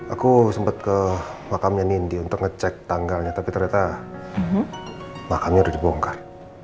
aku sempet ke wakamnya nindi untuk ngecek tanggalnya tapi ternyata wakamnya udah dibongkar